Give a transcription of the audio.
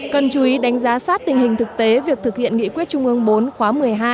cần chú ý đánh giá sát tình hình thực tế việc thực hiện nghị quyết trung ương bốn khóa một mươi hai